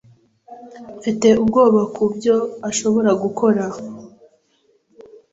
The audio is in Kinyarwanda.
Mfite ubwoba kubyo ashobora gukora.